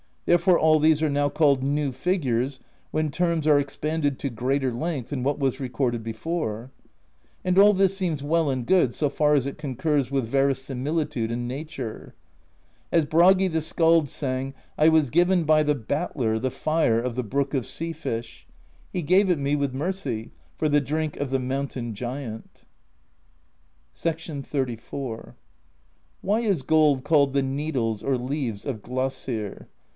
Therefore all these are called new figures, when terms are expanded to greater length than what was re corded before; and all this seems well and good, so far as it concurs with verisimilitude and nature. As Bragi the Skald sang: I was given by the Battler The fire of the Brook of Sea Fish: THE POESY OF SKALDS 145 He gave it me, with mercy, For the Drink of the Mountain Giant. XXXIV. "Why is gold called the Needles, or Leaves, of Glasir?